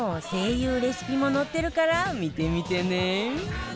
レシピも載ってるから見てみてね